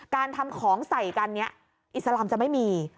การทำของใส่กันนี้อิสลามจะไม่มี